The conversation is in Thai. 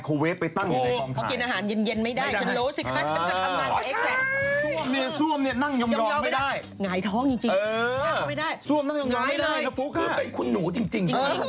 คือเป็นคุณหนูจริง